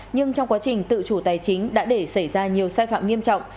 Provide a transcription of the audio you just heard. nhưng trong quá trình tự chủ tài chính đã để xảy ra nhiều sai phạm nghiêm trọng